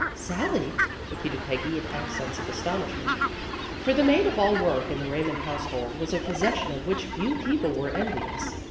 "Sally?" repeated Peggy in accents of astonishment. For the maid of all work in the Eaymond household was a possession of which few people were envious.